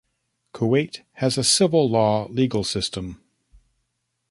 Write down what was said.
Kuwait has a civil law legal system.